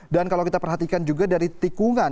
dan kalau kita perhatikan juga dari tikungan